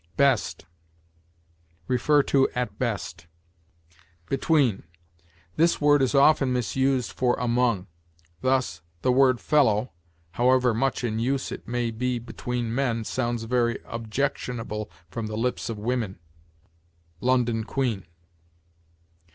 BEST. See AT BEST. BETWEEN. This word is often misused for among; thus, "The word fellow, however much in use it may be between men, sounds very objectionable from the lips of women." "London Queen."